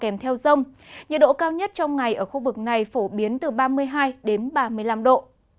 nhiệt độ cao nhất trong ngày ở khu vực này phổ biến từ ba mươi hai ba mươi năm độ